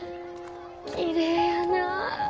きれいやなあ。